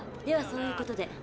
ではそういうことで。